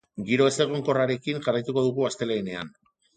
Giro ezegonkorrarekin jarraituko dugu astelehenean.